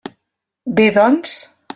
Bé, doncs.